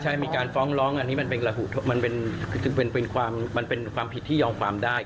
ใช่มีการฟ้องร้องอันนี้มันเป็นความผิดที่ยอมความได้